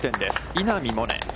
稲見萌寧。